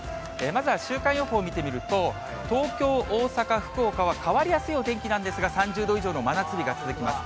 まずは週間予報見てみると、東京、大阪、福岡は変わりやすいお天気なんですが、３０度以上の真夏日が続きます。